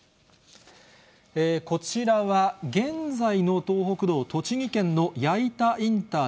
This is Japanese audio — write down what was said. こちらは、現在の東北道、栃木県の矢板インター